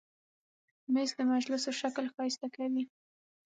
مېز د مجلسو شکل ښایسته کوي.